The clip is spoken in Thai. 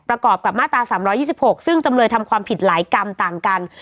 ประกอบกับมาตราสามร้อยยี่สิบหกซึ่งจำเลยทำความผิดหลายกรรมต่างกัน